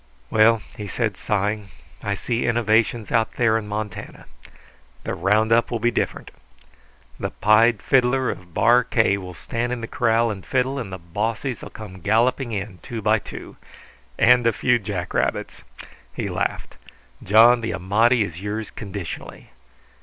"Well," he said, sighing, "I see innovations out there in Montana. The round up will be different. The Pied Fiddler of Bar K will stand in the corral and fiddle, and the bossies will come galloping in, two by two and a few jackrabbits!" He laughed. "John, the Amati is yours conditionally.